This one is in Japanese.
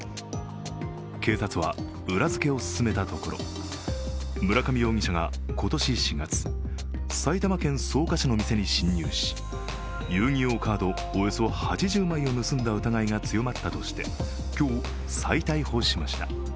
警察は裏付けを進めたところ村上容疑者が今年４月埼玉県草加市の店に侵入し遊戯王カードおよそ８０枚を盗んだ疑いが強まったとして、今日再逮捕しました。